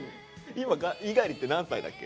今猪狩って何歳だっけ？